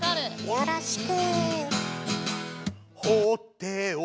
よろしく。